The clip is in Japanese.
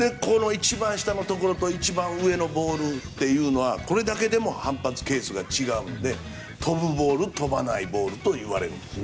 一番下のところと一番上のボールっていうのはこれだけでも反発係数が違うので飛ぶボール飛ばないボールと言われます。